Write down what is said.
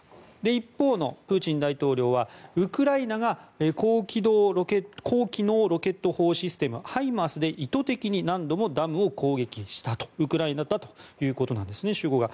一方のプーチン大統領はウクライナが高機能ロケット砲システムハイマースで意図的に何度もダムを攻撃したとウクライナだということですね主語が。